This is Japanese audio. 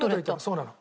そうなの。